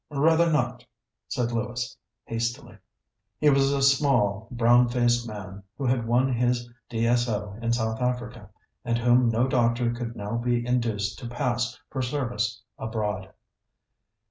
"Rather not," said Lewis hastily. He was a small, brown faced man, who had won his D.S.O. in South Africa, and whom no doctor could now be induced to pass for service abroad.